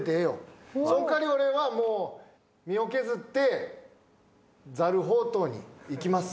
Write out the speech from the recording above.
その代わり俺は身を削ってザルほうとうにいきます。